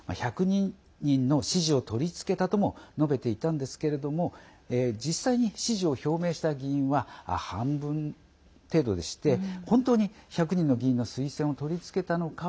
１００人の支持を取り付けたとも述べていたんですけれども実際に支持を表明した議員は半分程度でして本当に１００人の議員の推薦を取り付けたのか